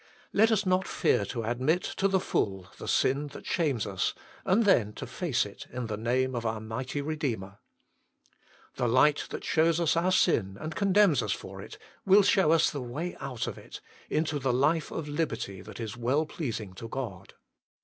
Let us not fear to admit to the full the sin that shames us, and then to face it in the name of our Mighty Redeemer. The light that shows us our sin and THE LACK OF PKAYER 17 condemns us for it, will show us the way out of it, into the life of liberty that is well pleasing to God.